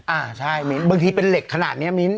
อ่าใช่มิ้นบางทีเป็นเหล็กขนาดนี้มิ้น